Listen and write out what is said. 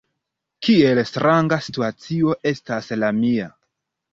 Kiel stranga situacio estas la mia.